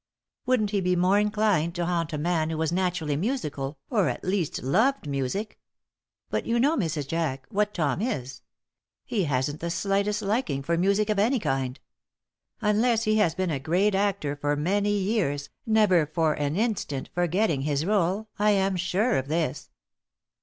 Wouldn't he be more inclined to haunt a man who was naturally musical, or at least loved music? But you know, Mrs. Jack, what Tom is. He hasn't the slightest liking for music of any kind. Unless he has been a great actor for many years, never for an instant forgetting his role, I'm sure of this."